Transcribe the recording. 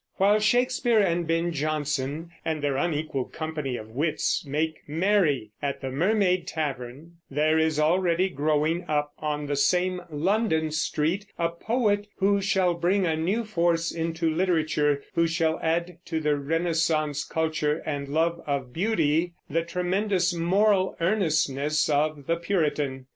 While Shakespeare and Ben Jonson and their unequaled company of wits make merry at the Mermaid Tavern, there is already growing up on the same London street a poet who shall bring a new force into literature, who shall add to the Renaissance culture and love of beauty the tremendous moral earnestness of the Puritan.